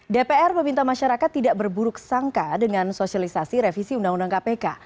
dpr meminta masyarakat tidak berburuk sangka dengan sosialisasi revisi undang undang kpk